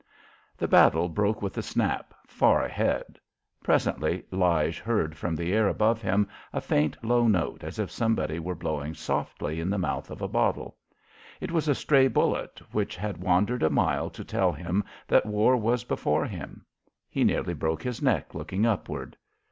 The battle broke with a snap far ahead. Presently Lige heard from the air above him a faint low note as if somebody were blowing softly in the mouth of a bottle. It was a stray bullet which had wandered a mile to tell him that war was before him. He nearly broke his neck looking upward.